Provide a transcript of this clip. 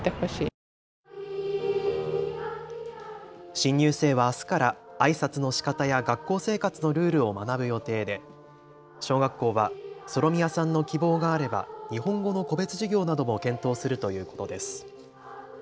新入生はあすからあいさつのしかたや学校生活のルールを学ぶ予定で小学校はソロミヤさんの希望があれば日本語の個別授業なども検討するということです。